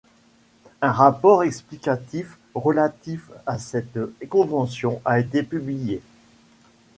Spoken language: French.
Un rapport explicatif relatif à cette Convention a été publié.